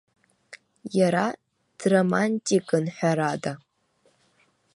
Иара дромантикын, ҳәарада.